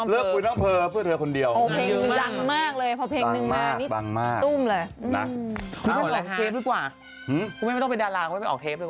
ลิลลี่ตอนนี้ขึ้นแท่นหนึ่งนะลิลลี่กับเจนดี้นะมาด้วยใช่ไหมลิลลี่